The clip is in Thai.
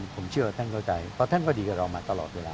ผมเชื่อท่านเข้าใจเพราะท่านก็ดีกับเรามาตลอดเวลา